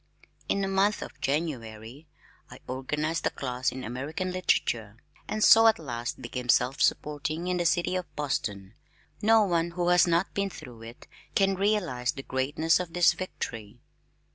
In the month of January I organized a class in American Literature, and so at last became self supporting in the city of Boston! No one who has not been through it can realize the greatness of this victory.